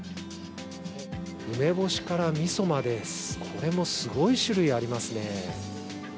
梅干しからみそまですごい種類ありますね。